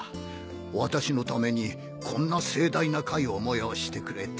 私のためにこんな盛大な会を催してくれて。